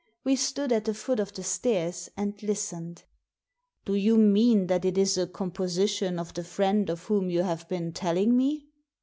We stood at the foot of the stairs and listened. "Do you mean that it is a composition of the friend of whom you have been telling me